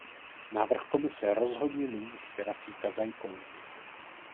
Návrh Komise rozhodně není svěrací kazajkou.